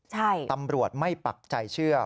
ใช่ตำรวจไม่ปักใจเชื่อ